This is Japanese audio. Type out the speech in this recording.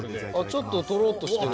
ちょっととろっとしてる。